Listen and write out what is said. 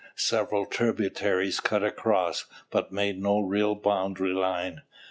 Several tributaries cut across, but made no real boundary line.